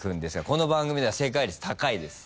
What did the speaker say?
この番組では正解率高いです。